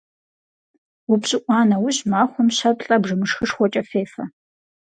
УпщӀыӀуа нэужь махуэм щэ-плӀэ бжэмышхышхуэкӀэ фефэ.